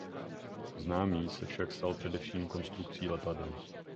Známý se však stal především konstrukcí letadel.